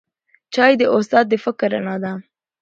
چای د استاد د فکر رڼا ده